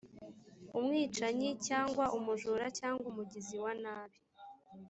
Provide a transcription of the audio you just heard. umwicanyi cyangwa umujura cyangwa umugizi wa nabi